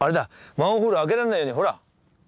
マンホール開けられないようにほら。